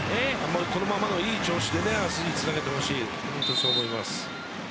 このままのいい調子で明日につなげてほしいと思います。